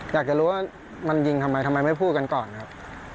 อยากจะรู้ว่ามันยิงทำไมทำไมไม่พูดกันก่อนครับ